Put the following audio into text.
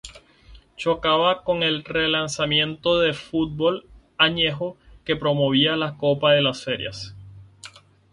Chocaba con el relanzamiento del fútbol añejo que promovía la Copa de Ferias.